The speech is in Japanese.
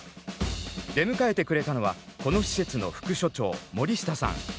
出迎えてくれたのはこの施設の副所長森下さん。